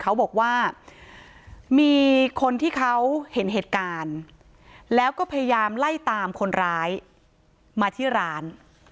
เขาบอกว่ามีคนที่เขาเห็นเหตุการณ์แล้วก็พยายามไล่ตามคนร้ายมาที่ร้าน